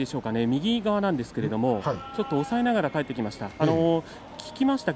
右側なんですけれどもちょっと押さえながら帰ってきました。